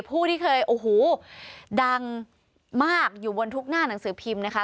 ผู้ที่เคยโอ้โหดังมากอยู่บนทุกหน้าหนังสือพิมพ์นะคะ